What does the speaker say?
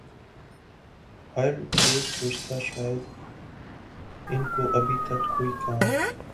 ھر یہ سوچتا شاید ان کو ابھی تک کوئی کام